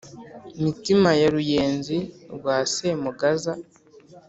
Mitima ya Ruyenzi rwa Semugaza.